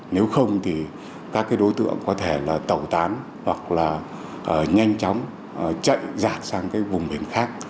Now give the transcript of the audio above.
nếu không thì các cái đối tượng có thể là tẩu tán hoặc là nhanh chóng chạy rạt sang cái vùng biển khác